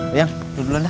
ayo duduk dulu anda